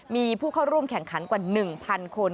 มีผู้เข้าร่วมแข่งขันกว่า๑๐๐คน